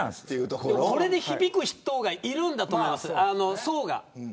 これで響く人がいるんだと思いますよ。